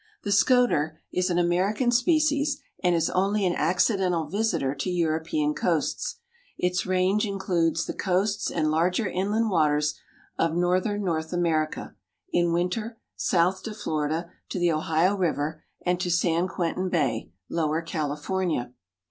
This Scoter is an American species and is only an accidental visitor to European coasts. Its range includes the "coasts and larger inland waters of northern North America; in winter, south to Florida, to the Ohio River and to San Quentin Bay, Lower California."